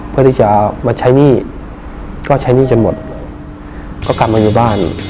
เพื่อที่จะมาใช้หนี้ก็ใช้หนี้จนหมดก็กลับมาอยู่บ้าน